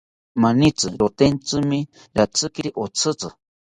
Manitzi rotentzimi ratzikiri otzitzi